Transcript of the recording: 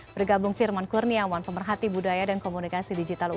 bergabung firman kurniawan pemerhati budaya dan komunikasi digital ui